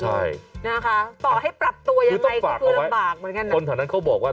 ใช่นะคะต่อให้ปรับตัวยังไงก็คือลำบากเหมือนกันนะคือต้องฝากเอาไว้คนถนนั้นเขาบอกว่า